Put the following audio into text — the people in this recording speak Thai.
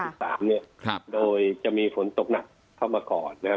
วันที่๓เนี่ยโดยจะมีผลตกหนักเข้ามาก่อนนะครับ